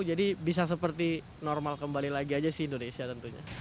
jadi bisa seperti normal kembali lagi aja sih indonesia tentunya